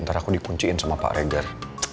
ntar aku di kunciin sama pak regar